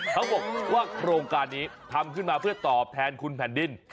เขาบอกว่าโครงการนี้ทำขึ้นมาเพื่อตอบแทนคุณแผ่นดิน